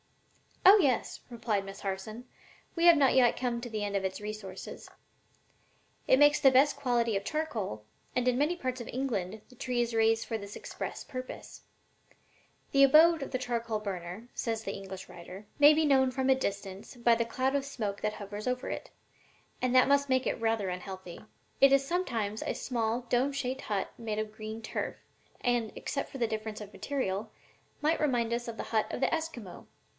"Oh yes," replied Miss Harson; "we have not yet come to the end of its resources. It makes the best quality of charcoal, and in many parts of England the tree is raised for this express purpose. 'The abode of the charcoal burner,' says an English writer, 'may be known from a distance by the cloud of smoke that hovers over it, and that must make it rather unhealthy. It is sometimes a small dome shaped hut made of green turf, and, except for the difference of the material, might remind us of the hut of the Esquimaux.